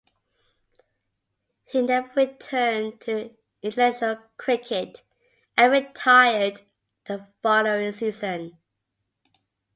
He never returned to international cricket, and retired the following season.